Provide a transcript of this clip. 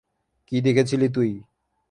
কী দেখেছিলি তুই?